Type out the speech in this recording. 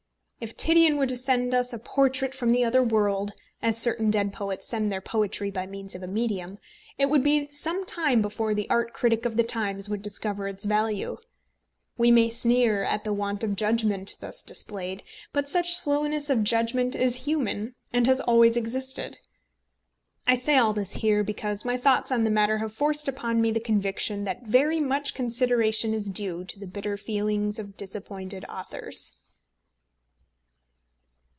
If Titian were to send us a portrait from the other world, as certain dead poets send their poetry, by means of a medium, it would be some time before the art critic of the Times would discover its value. We may sneer at the want of judgment thus displayed, but such slowness of judgment is human and has always existed. I say all this here because my thoughts on the matter have forced upon me the conviction that very much consideration is due to the bitter feelings of disappointed authors.